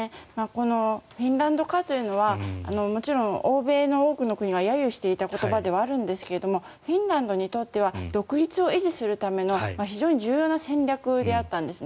このフィンランド化というのはもちろん欧米の多くの国が揶揄していた言葉ではあるんですがフィンランドにとっては独立を維持するための非常に重要な戦略であったんです。